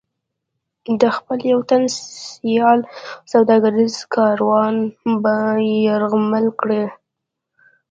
د خپل یو تن سیال سوداګریز کاروان یرغمل کړ.